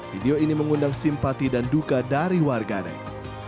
video ini mengundang simpati dan duka dari warganet